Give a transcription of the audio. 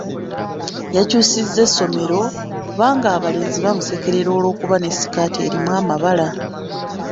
Yakyusizza essomero kubanga abalenzi baamusekerera olw'okuba ne sikaati erimu amabala.